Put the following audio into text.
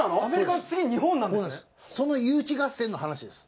その誘致合戦の話です。